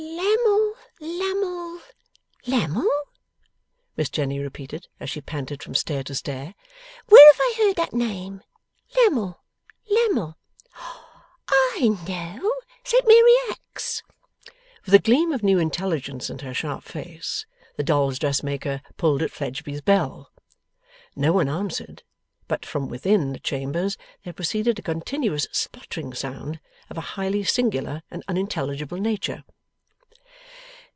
'Lammle, Lammle, Lammle?' Miss Jenny repeated as she panted from stair to stair, 'where have I heard that name? Lammle, Lammle? I know! Saint Mary Axe!' With a gleam of new intelligence in her sharp face, the dolls' dressmaker pulled at Fledgeby's bell. No one answered; but, from within the chambers, there proceeded a continuous spluttering sound of a highly singular and unintelligible nature.